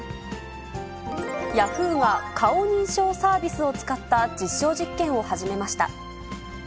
Ｙａｈｏｏ！が顔認証サービスを使った実証実験を始めました。